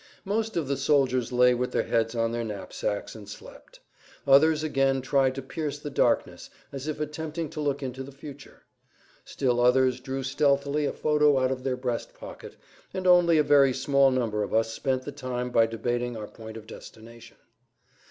Most of the soldiers lay with their heads on their knapsacks and slept. Others again tried to pierce the darkness as if attempting to look into the future; still others drew stealthily a photo out of their breast pocket, and only a very small number of us spent the time by debating our point of destination.